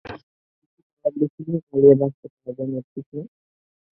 কিন্তু তারা বেশিদিন পালিয়ে বাচতে পারবেনা, ঠিক না?